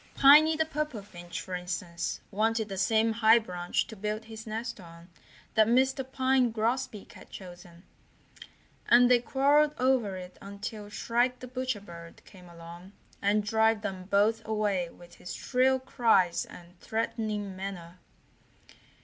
Piney the Purple Finch, for instance, wanted the same high branch to build his nest on that Mr. Pine Grosbeak had chosen, and they quarreled over it until Shrike the Butcher Bird came along and drove them both away with his shrill cries and threatening manner.